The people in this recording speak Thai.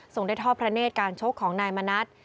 ได้ทอดพระเนธการชกของนายมณัฐ